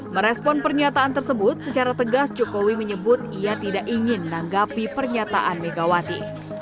merespon pernyataan tersebut secara tegas jokowi menyebut ia tidak ingin menanggapi pernyataan megawati